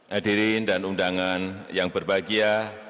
hadirin dan undangan yang berbahagia